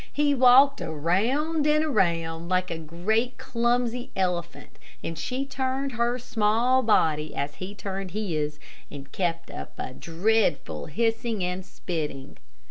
He walked around and around, like a great clumsy elephant, and she turned her small body as he turned his, and kept up a dreadful hissing and spitting.